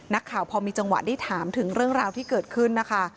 นักข่าวพอมีจังหวะได้ถามถึงเรื่องราวที่เกิดขึ้นนะคะ